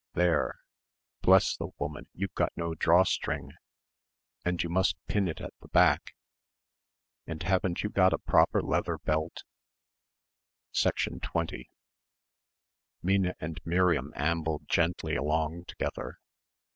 There.... Bless the woman, you've got no drawstring! And you must pin it at the back! And haven't you got a proper leather belt?" 20 Minna and Miriam ambled gently along together.